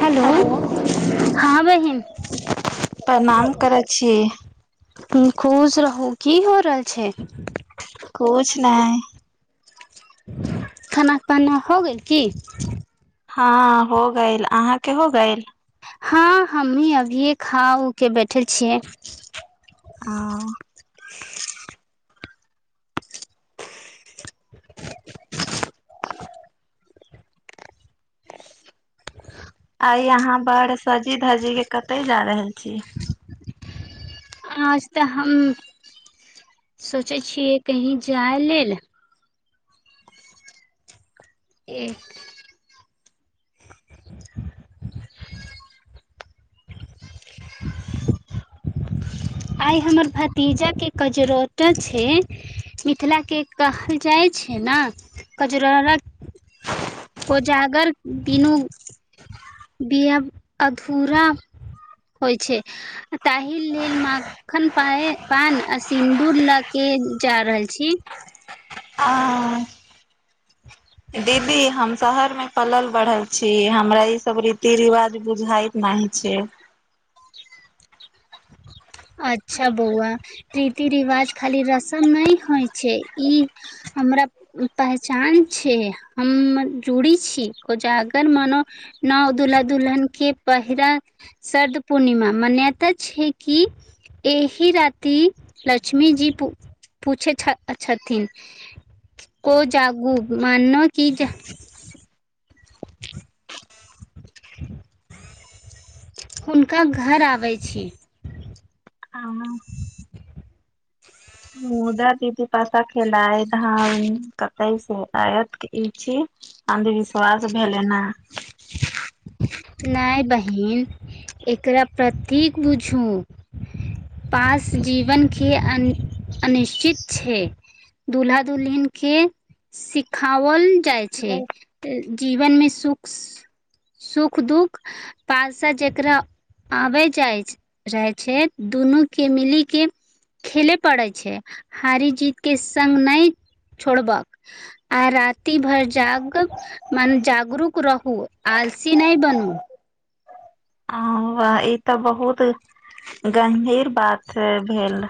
hello हँ बहिन प्रणाम करै छी खुश रहूँ की हो रहल छै कुछ नहि खाना पना हो गेल की हँ हो गइल अहाँके हो गेइल हँ हमही अभिये खा उके बैठे छियै ओ [unintelligible] आई आहां बड़ सजी धजी के कते जा रहल छी आज तऽ हम सोचै छियै कहीं जाइ लेल एक आइ हमर भतीजाके कजरोटा छै मिथिला के कहल जाइ छै ने कजुरोर कोजागर बिनू ब अधूरा होइ छै ताहि लेल मां माखन पाए पान आ सिन्दूर लगे जा रहल छी आ दीदी हम शहर में पलल बढ़ल छी हमरा ई सब रीति रिवाज बुझाय नहि छै अच्छा बौआ रीति रिवाज खाली रसम नहि होइ छै ई हमरा पहचान छै हम जुड़ी छी कोजागर म न नओ दुल्हा दुल्हन के पहिरा शरद पूर्णिमा मान्यता छै कि एहि राति लक्ष्मी जी पु पूछे छथिन को जागू मानना कि [inaudible] [inaudible] हुनका घर आबै छी हँ, [inaudible] मुदा दीदी पा खेलाइ धाम कते शायत ई छी अन्धविश्वास भेलै ने नहि बहिन एकरा प्रतीक बुझू पास जीवनके अन अनिश्चित छै दुल्हा दुल्हिन के सिखाओल जा छै जीवन मे सुख सुख दुःख पालसा जेकरा आबै जाइत रहै छै दुनूके मिली के खेले पड़ैत छै हारी जीत के संग नहि छोड़बाक आ राति भर जाग के मन जागरूक रहूँ आलसी नहि बनू ई त बहुत गंभीर बात भेल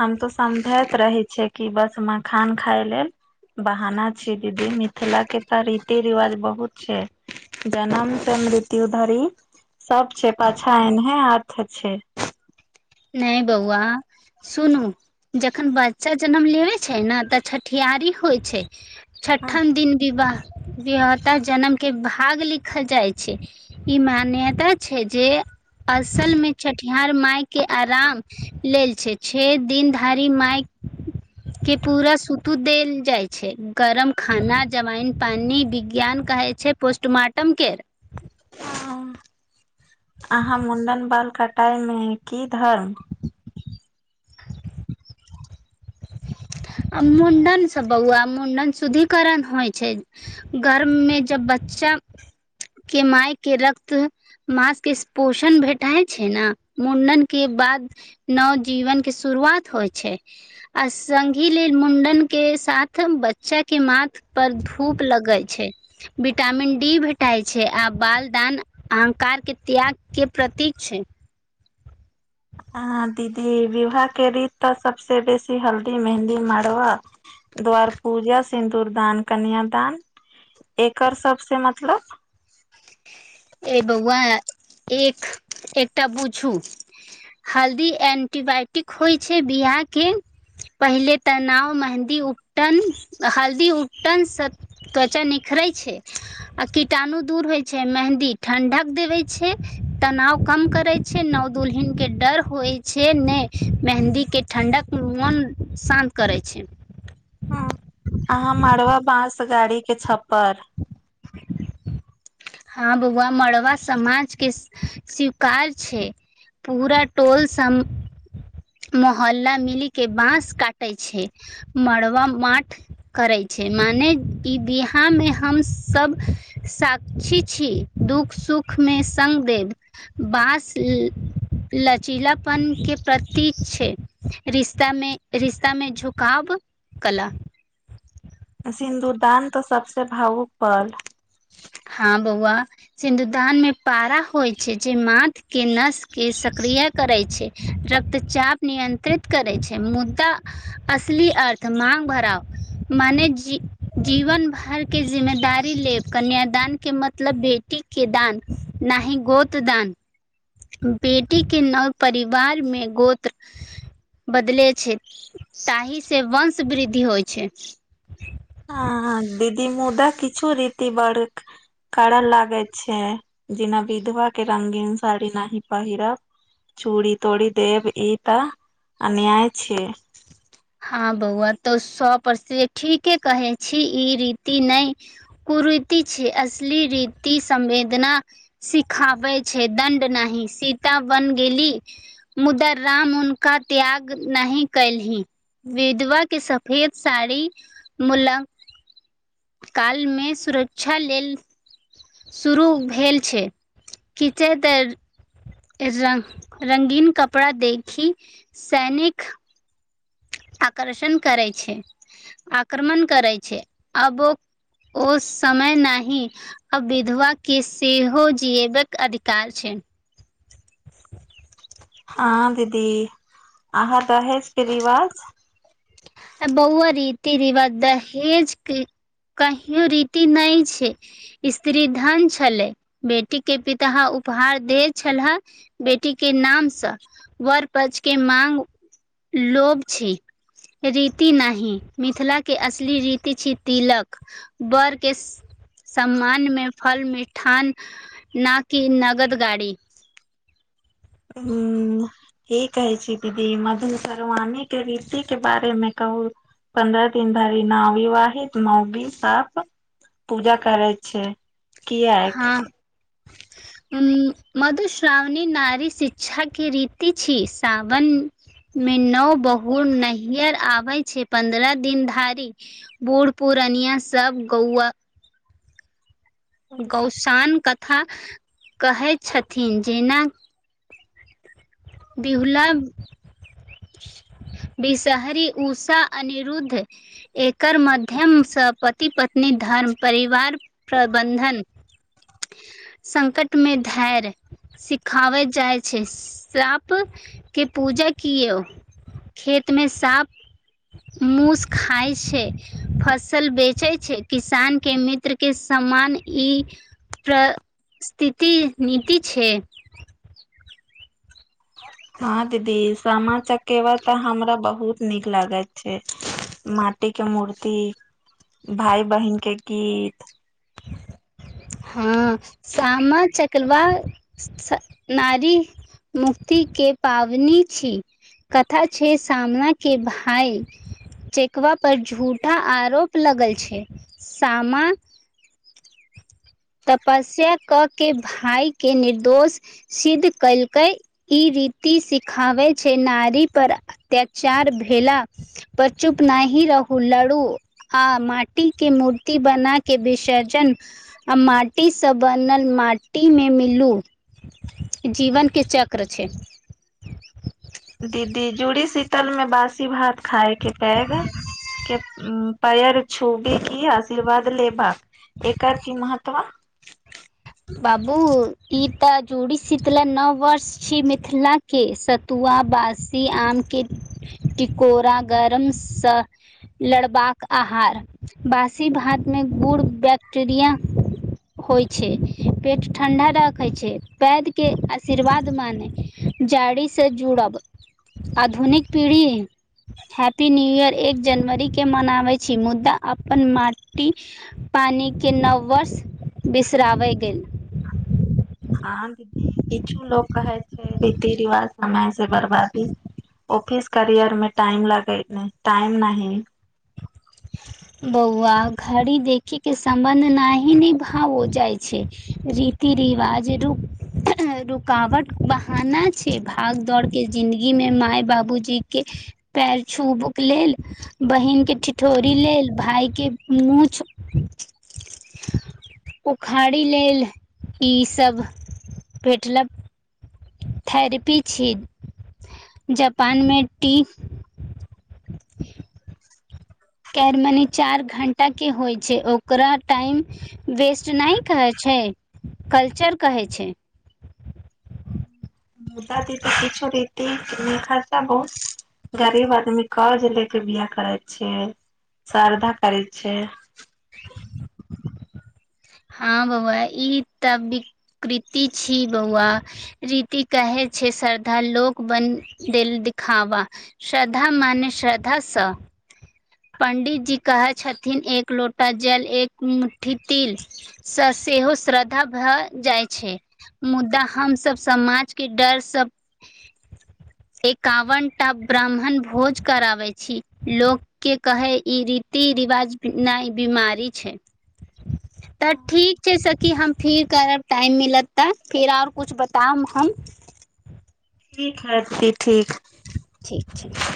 हम ते समझैत रहै छियै कि बस मखान खाय लेल बहाना छी दीदी मिथिला के तऽ रीति रिवाज बहुत छै जनम त मृत्यु धरि सब छै पाछा एनहे आथ छै नहि बौआ सुनूं जखन बच्चा जनम लेबे छै ने तऽ छठियारी होइ छै छठम दिन विवाह विहता जनम के भाग लिखल जाइ छै ई मान्यता छै जे असल मे छठिहार माय के आराम लेल छै छे दिन धरि माइक के पूरा सूतू देल जाइ छै गरम खाना जमाइन पानि विज्ञान कहै छै पोस्टमार्टम के अहाँ मुण्डन बाल कटाइ में की धर्म आ मुंडनसँ बौआ मुंडन शुद्धिकरण होइ छै गर्भ में जब बच्चा के माय के रक्त मास के पोषण भेटाइ छै ने मुंडन के बाद नव जीवन के शुरुआत होइ छै अस सघी लेल मुंडन के साथ बच्चा के माथ पर धूप लगे छै विटामिन डी भेटाइ छै आ बाल दान अहंकार के त्याग के प्रतीक छै आहा दीदी विवाह के रीत तऽ सबसे बेसी हल्दी मेहन्दी मरवा द्वार पूजा सिन्दुर दान कन्यादान एकर सबसे मतलब ए बौआ एक एकटा बू छू हल्दी एंटीबायोटिक होइ छै बियाह के पहिले तनाव मेहन्दी उपटन हल्दी उपटन सब त्वचा निखरे छै आ कीटाणु दूर होय छै मेहन्दी ठंडक देवे छै तनाव कम करे छै नाव दुलहिन के डर होइ छै नहि मेहन्दी के ठण्डक मोन शान्त करै छै ह अहाँ मरबा बाँस गाड़ी के छपर [inaudible] हँ बौआ मड़वा समाज के स्वीकार छै पूरा टोल साम मोहल्ला मिली के बास काटे छै मड़बा माठ करै छै माने ई विहा मे हम सभ स छी छी दुःख सुख मे संग देेव बांस लचीलापन के प्रतीक छै रिश्ता मे रिश्ता में झुकाव कला सिन्दुरदान तऽ सबसे भावुक पल हँ बौआ सिन्धुदान मे पारा होइ छै जे माथ के नस के सक्रिय करै छै रक्तचाप नियन्त्रित करै छै मुदा असली अर्थ मांग भराव मने जी जीवन भर की जिम्मेदारी लेब कन्या दान के मतलब बेटी के दान न ही गोत दान बेटी के नव परिवार में गोत्र बदले छै ताहि से वंश वृद्धि होइ छै ह दीदी मुदा किछु रीति बड़क करय लागे छै जेना विधवा के रंगीन साड़ी न पहिरब चूड़ी तूड़ी देव ई तऽ अन्याय छै हँ बौआ तऽ सए परस ठीके कहे छी ई रीति नहि कुरीति छै असली रीति समवेदना सिखाबै छै दण्ड नाहि सीता बन गेली मुदाराम उनका त्याग नहि कयलीं विधवा के सफेद साड़ी मुल काल मे सुरक्षा लेल शुरू भेल छै खीचैते र रंगीन कपड़ा देखी सैनिक आकर्षण करै छै आक्रमण करै छै अबो ओ समय नाही आ विधवा के सेहो जीबाकके अधिकार छै हँ दीदी आहाँ रह परीवाज बौ रीति रवाद हेज क कहियो रीति नहि छै स्त्री धन छलै बेटी के पिता उपहार दे छलहे बेटी के नामसँ वर पच के माग लोभ छी रीति नही मिथिला के असली रीति छी तिलक बड़ के सम्मान मे फल मिीठान न किी नगद गाारी ह की कहै छी दीदी मधु श्रवणी के रीति के बारे मे कहू पन्द्रह तीन धारी नवीवाहित नवी साफ पूजा करै छ किएक उ मधुश्रावणी नारी शिक्षा के रीति छी सावन मे नोव बहुर नैहर आबे छै पंन्द्रह दिन धारि बूढ़ पूर्णिया सब गौआ गौसान कथा कहैत छथिन जेना बहुला [inaudible] बिषहरी ऊषा अनिरुद्ध एकर माध्यमसँ पति पत्नी धर्म परिवार प्रबन्धन संकट मे धैर्य सिखाबए जाइत साँपके पूजा कीयो खेतमे साँप मुूस खाइ छै फसल बेचै छै किसान के मित्र के समान ई परस्थिति नीति छै हँ दीदी सामा चकेवा तऽ हमरा बहुत नीक लागैत छै माटी के मूर्ति भााय बहिन के गीत [inaudible] हाँ सामा चकेलवा नारी मुक्तिके पाबनि छी कथा छै सामना के भाय चेकवा पर झूठा आरोप लगल छै सामा तपस्या कऽ के भाय के निर्दोष सिद्ध कलकै ई रीति सिखाबै छै नारी पर अत्याचार भेला पर चुप नहि ही रहू लड़ू हाँ माटी के मूर्ति बना के विसर्जन आ माटीसँ बनल माटीमे मिलू जीवनके चक्र छै दीदी जूड़ी शीतल में बासी भात खाायके पड़ गा के पयर छूबे की आशीर्वाद ले ब एकर की महत्वा बाबू ई तऽ जोड़ीशीतल नओ वर्ष छी मिथिलाक के सतुआ बाँसी आमके टिकोरा गर्म स लड़बाक आहार बासी भात मे गुड़ बैक्टेरिया होइ छै पेट ठण्ढा राखै छै पैदके आशीर्वाद माने जाड़िसँ जुड़ब आधुनिक पीढ़ी हैप्पी न्यू ईयर एक जनवरी के मनाबै छी मुदा अपन माटी पानिके नव वर्ष बिसराबय गेल हँ किछु लोको कहै छै रीति रिवाज समय से बर्बादी ऑफिस करियर मे टाइम लगे टाइम न [unintelligible] बौआ घड़ी देखै के सम्बन्ध नहि ही निभाव हो जाइ छै री रिति रिवाज रू रुकावट बहाना छै भाग दौड़के जिन्दगीमे मााय बाबूजीके पैर छूबक लेल बहिन के ठि ठोड़ी लेल भाय के मूछ उखाड़ी लेल ई सब भेटलक थेरेपी छी जापानमे टी केर मनी चारि घण्टाके होइ छै ओकरा टाइम वेस्ट नहि कहै छै कल्चर कहै छै हँ मुदा तऽ किछु रीति खर्चा बहुत गरीब आदमी कर्ज ले के बियाह करै छै श्रदा करै छै [unintelligible] हँ बौआ ई तऽ विकृति छी बौआ रीति कहे छै श्रद्धा लोक बन देल दिखावा श्रद्धा माने श्रद्धा से पंडित जी कहे छथिन एक लोटा जल एक मु्ठी तिल सेहो श्रद्धा भऽ जाइ छै मुद्दा हमसब समाज के डर सब एकावनटा ब्राह्मण भोज कराबै छी लोक के कहै ई रीति रिवाज नहि बीमारी छै तऽ ठीक छै सखी हम फिर करब टाइम मिलत तऽ फेर आओर किछु बताउ हम ठीक है दिदी ठीक ठीक ठीक